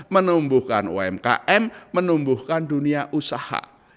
menumbuhkan umkm menumbuhkan dunia usaha